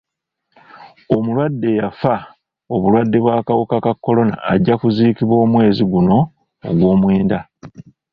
Omulwadde eyafa obulwadde bw'akawuka ka kolona ajja kuziikibwa omwezi guno ogwomwenda